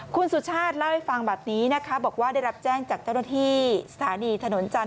คุณสุชาติเล่าให้ฟังแบบนี้นะคะบอกว่าได้รับแจ้งจากเจ้าหน้าที่สถานีถนนจันท